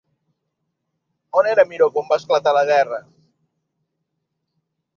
On era Miró quan va esclatar la guerra?